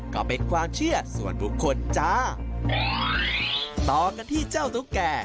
ก็เป็นความเชื่อส่วนบุคคลจ้าต่อกันที่เจ้าตุ๊กแก่